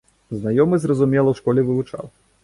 Знаёмы, зразумела, у школе вывучаў.